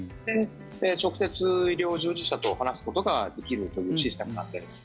直接、医療従事者と話すことができるというシステムになってるんです。